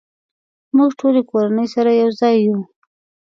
مونږ ټولې کورنۍ سره یوځای یو